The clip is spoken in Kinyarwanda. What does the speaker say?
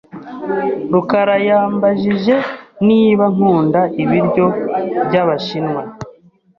rukarayambajije niba nkunda ibiryo by'Abashinwa.